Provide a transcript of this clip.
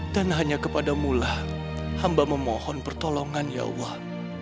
dan hanya kepadamulah hamba memohon pertolongan ya allah